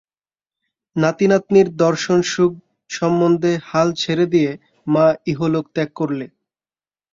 নাতিনাতনীর দর্শনসুখ সম্বন্ধে হাল ছেড়ে দিয়ে মা ইহলোক ত্যাগ করলে।